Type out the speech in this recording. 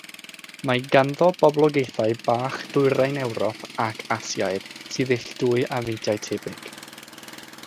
Mae ganddo boblogaethau bach Dwyrain Ewrop ac Asiaidd, sydd ill dwy o feintiau tebyg.